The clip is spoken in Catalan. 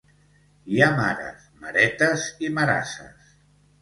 Hi ha mares, maretes i marasses.